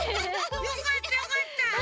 よかったよかった！